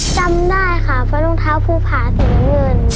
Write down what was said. จำได้ค่ะเพราะรองเท้าภูผาสีน้ำเงิน